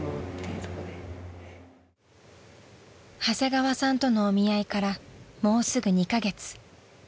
［長谷川さんとのお見合いからもうすぐ２カ月］